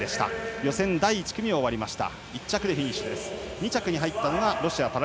予選第１組が終わりました。